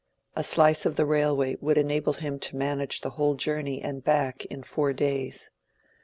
A slice of the railway would enable him to manage the whole journey and back in four days.